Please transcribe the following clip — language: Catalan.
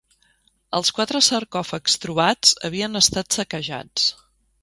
Els quatre sarcòfags trobats havien estat saquejats.